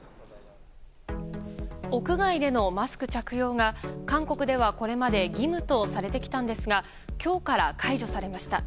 屋外でのマスク着用が韓国ではこれまで義務とされてきたんですが今日から解除されました。